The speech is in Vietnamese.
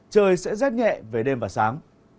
trời sẽ rét nhẹ về đêm và sáng